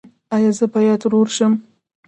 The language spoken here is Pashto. ایا زه باید ورور شم؟